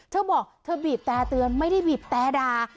เธอบอกเธอบีบแต่เตือนไม่ได้บีบแต่ด่า